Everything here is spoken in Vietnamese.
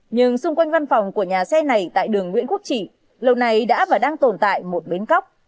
nhưng xung quanh văn phòng của nhà xe này tại đường nguyễn quốc trị lâu nay đã và đang tồn tại một bến cóc